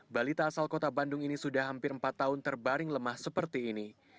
balita asal kota bandung ini sudah hampir empat tahun terbaring lemah seperti ini